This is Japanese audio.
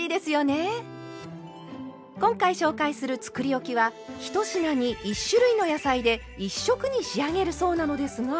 今回紹介するつくりおきは１品に１種類の野菜で１色に仕上げるそうなのですが。